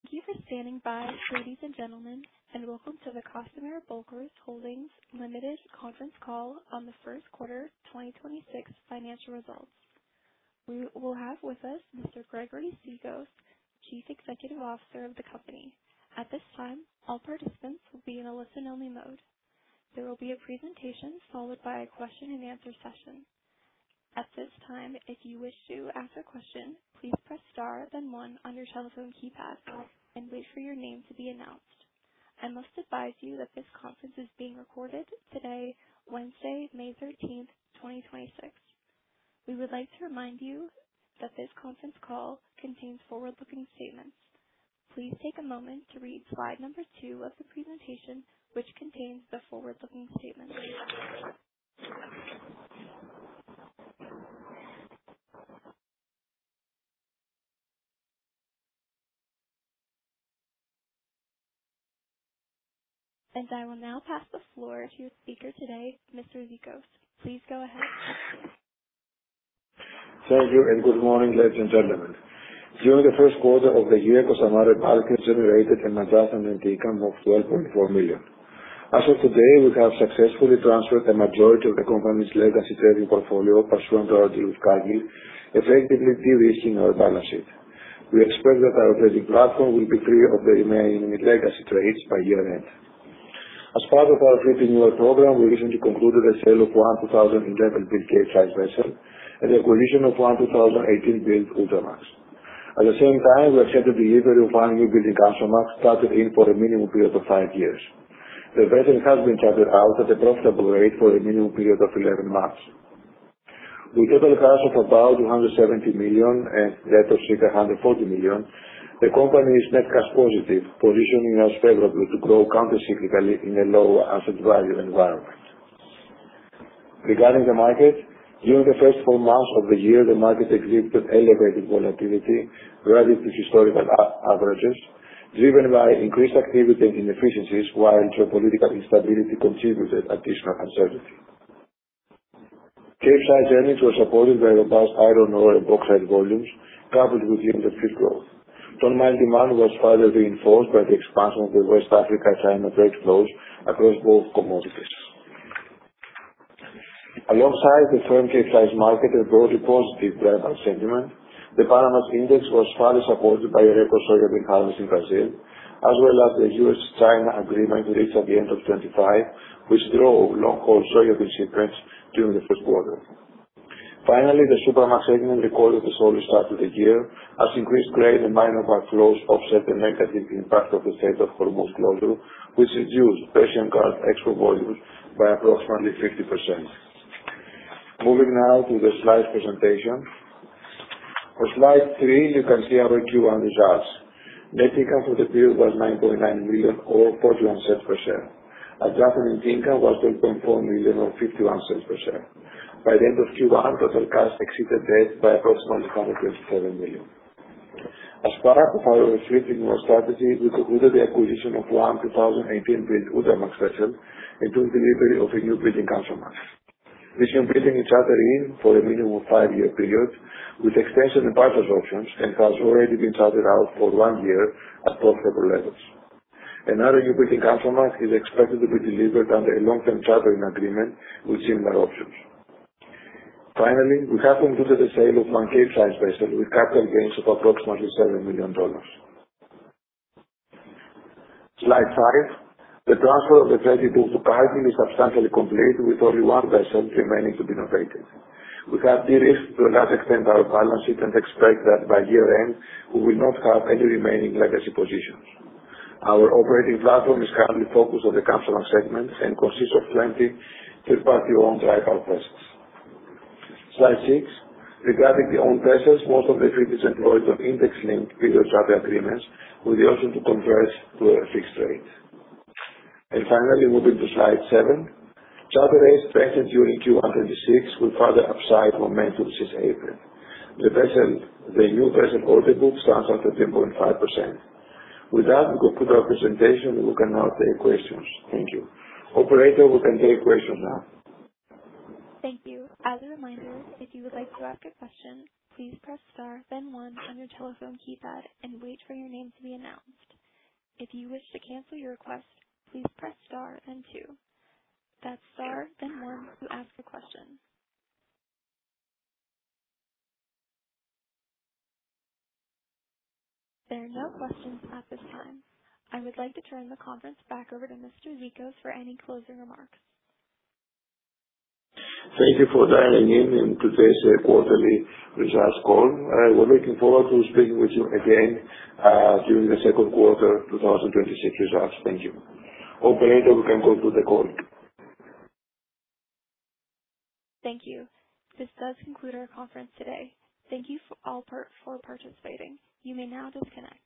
Thank you for standing by, ladies and gentlemen, and welcome to the Costamare Bulkers Holdings Limited conference call on the 1st quarter 2026 financial results. We will have with us Mr. Gregory Zikos, Chief Executive Officer of the company. At this time participants will be in listen only mode. There will be a presentation then a question-and-answer session. At this time if you would like to ask questions press star then one on your keypad. I must advise you that this conference is being recorded today, Wednesday, May 13th, 2026. We would like to remind you that this conference call contains forward-looking statements. Please take a moment to read slide number two of the presentation, which contains the forward-looking statement. I will now pass the floor to your speaker today, Mr. Zikos, please go ahead. Thank you. Good morning, ladies and gentlemen. During the first quarter of the year, Costamare Bulkers generated an adjusted net income of $12.4 million. As of today, we have successfully transferred the majority of the company's legacy trading portfolio pursuant to our deal with Cargill, effectively derisking our balance sheet. We expect that our trading platform will be free of the remaining legacy trades by year-end. As part of our fleet renewal program, we recently concluded the sale of one 2011-built Capesize vessel and the acquisition of one 2018-built Ultramax. At the same time, we accepted delivery of one newbuilding Kamsarmax chartered in for a minimum period of five years. The vessel has been chartered out at a profitable rate for a minimum period of 11 months. With total cash of about $270 million and debt of $640 million, the company is net cash positive, positioning us favorably to grow countercyclically in a low asset value environment. Regarding the market, during the first four months of the year, the market exhibited elevated volatility relative to historical averages, driven by increased activity and inefficiencies, while geopolitical instability contributed additional uncertainty. Capesize earnings were supported by robust iron ore and bauxite volumes coupled with winter peak growth. Ton mile demand was further reinforced by the expansion of the West Africa, China trade flows across both commodities. Alongside the firm Capesize market and broadly positive dry bulk sentiment, the Panamax Index was further supported by a record soybean harvest in Brazil, as well as the U.S.-China agreement reached at the end of 2025, which drove long-haul soybean shipments during the first quarter. The Supramax segment recorded a solid start to the year as increased grain and minor bulk flows offset the negative impact of the Strait of Hormuz closure, which reduced Persian Gulf export volumes by approximately 50%. Moving now to the slides presentation. For slide three, you can see our Q1 results. Net income for the period was $9.9 million, or $0.41 per share. adjusted net income was $12.4 million, or $0.51 per share. By the end of Q1, total cash exceeded debt by approximately $127 million. As part of our fleet renewal strategy, we concluded the acquisition of one 2018-built Ultramax vessel and took delivery of a newbuilding Kamsarmax. This newbuilding is chartered in for a minimum five-year period with extension and purchase options and has already been chartered out for one year at profitable levels. Another newbuilding Kamsarmax is expected to be delivered under a long-term chartering agreement with similar options. We have concluded the sale of one Capesize vessel with capital gains of approximately $7 million. Slide five. The transfer of the credit book to Cargill is substantially complete, with only one vessel remaining to be novated. We have derisked to a large extent our balance sheet and expect that by year-end, we will not have any remaining legacy positions. Our operating platform is currently focused on the Kamsarmax segment and consists of 20 third-party owned dry bulk vessels. Slide six. Regarding the owned vessels, most of the fleet is employed on index-linked time charter agreements with the option to convert to a fixed rate. Moving to slide seven. Charter rates strengthened during Q1 2026 with further upside momentum since April. The vessel, the new vessel orderbook stands at 13.5%. With that, we conclude our presentation. We can now take questions. Thank you. Operator, we can take questions now. Thank you. As a reminder, if you would like to ask a question, please press star then one on your telephone keypad and wait for your name to be announced. If you wish to cancel your request, please press star then two. That's star then one to ask a question. There are no questions at this time. I would like to turn the conference back over to Mr. Zikos for any closing remarks. Thank you for dialing in in today's quarterly results call. We're looking forward to speaking with you again, during the second quarter 2026 results. Thank you. Operator, we can conclude the call. Thank you. This does conclude our conference today. Thank you for participating, you may now disconnect.